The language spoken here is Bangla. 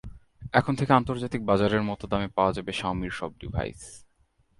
এখন থেকে আন্তর্জাতিক বাজারের মতো দামে পাওয়া যাবে শাওমির সব ডিভাইস।